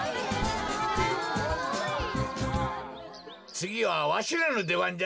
つぎはわしらのでばんじゃな。